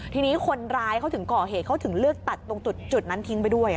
ทีนี้คนร้ายเขาถึงก่อเหตุเขาถึงเลือกตัดตรงจุดนั้นทิ้งไปด้วย